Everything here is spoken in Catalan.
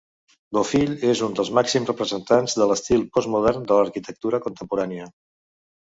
Bofill és un dels màxims representants de l'estil postmodern de l'arquitectura contemporània.